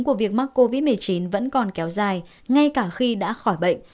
của việc mắc covid một mươi chín vẫn còn kéo dài ngay cả khi đã khỏi bệnh